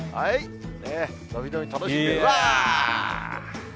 伸び伸び楽しんで、うわー。